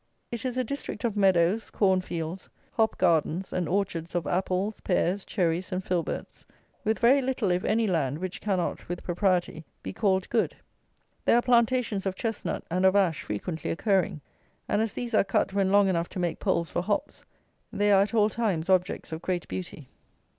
It is a district of meadows, corn fields, hop gardens, and orchards of apples, pears, cherries and filberts, with very little if any land which cannot, with propriety, be called good. There are plantations of Chestnut and of Ash frequently occurring; and as these are cut when long enough to make poles for hops, they are at all times objects of great beauty.